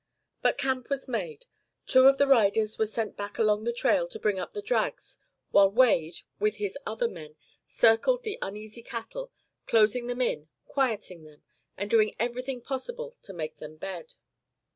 But camp was made. Two of the riders were sent back along the trail to bring up the 'drags' while Wade, with his other men, circled the uneasy cattle, closing them in, quieting them, and doing everything possible to make them bed.